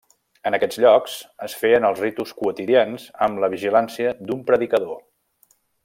En aquests llocs, es feien els ritus quotidians amb la vigilància d'un predicador.